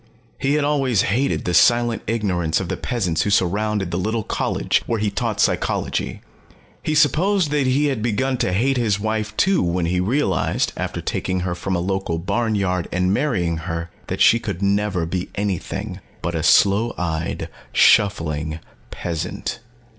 He had always hated the silent ignorance of the peasants who surrounded the little college where he taught psychology. He supposed that he had begun to hate his wife, too, when he realized, after taking her from a local barnyard and marrying her, that she could never be anything but a sloe eyed, shuffling peasant.